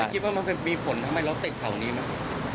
คิดว่ามันเป็นมีผลทำไมรถเต็กแถวนี้มั้ย